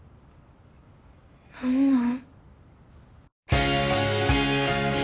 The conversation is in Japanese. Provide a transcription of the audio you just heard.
何なん？